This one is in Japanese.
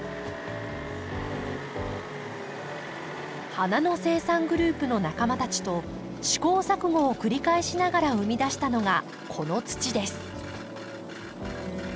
花の生産グループの仲間たちと試行錯誤を繰り返しながら生み出したのがこの土です。